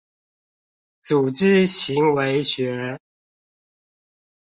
組織行為學